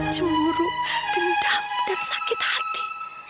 cemburuk dendam dan sakit hati